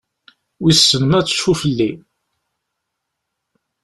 Wissen ma ad tecfu fell-i?